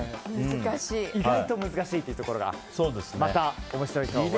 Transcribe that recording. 意外と難しいというところがまた面白いと思います。